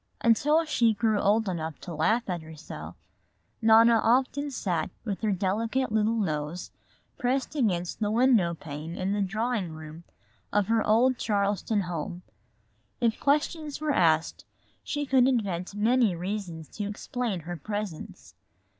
Until she grew old enough to laugh at herself, Nona often sat with her delicate little nose pressed against the window pane in the drawing room of her old Charleston home. If questions were asked she could invent many reasons to explain her presence.